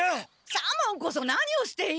左門こそ何をしている？